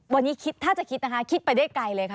วันนี้คิดถ้าจะคิดนะคะคิดไปได้ไกลเลยค่ะ